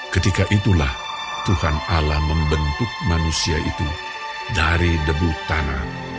ketika itulah tuhan alam membentuk manusia itu dari debu tanah